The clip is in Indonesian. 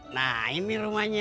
nah ini rumahnya